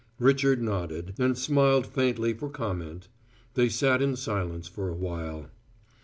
Richard nodded, and smiled faintly for comment. They sat in silence for a while.